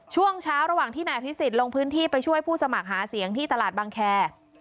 ช่วงเช้าระหว่างที่นายอภิษฎลงพื้นที่ไปช่วยผู้สมัครหาเสียงที่ตลาดบางแคร์